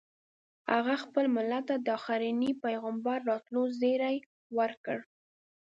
هغه خپل ملت ته د اخرني پیغمبر راتلو زیری ورکړ.